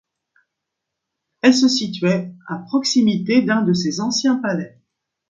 Elle se situait à proximité d'un de ses anciens palais.